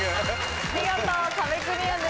見事壁クリアです。